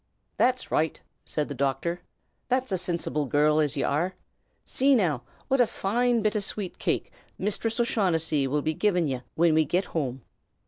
"That's roight!" said the Doctor, "that's a sinsible gyurrl as ye are. See, now, what a foine bit o' sweet cake Misthress O'Shaughnessy 'ull be givin' ye, whin we git home."